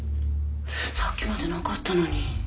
さっきまでなかったのに。